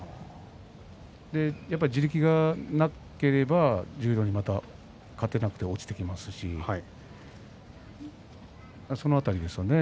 やっぱり地力がなければ十両に、また勝てなくて落ちてきますしその辺りですよね。